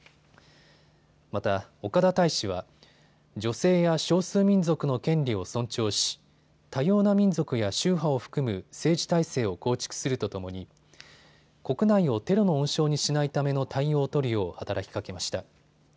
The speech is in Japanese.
また、岡田大使は女性や少数民族の権利を尊重し多様な民族や宗派を含む政治体制を構築するとともに国内をテロの温床にしないための対応を取るよう働きかけました。